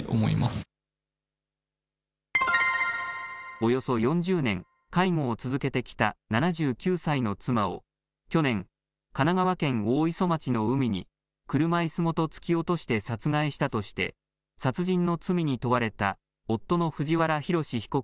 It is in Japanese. およそ４０年、介護を続けてきた７９歳の妻を、去年、神奈川県大磯町の海に、車いすごと突き落として殺害したとして、殺人の罪に問われた夫の藤原宏被告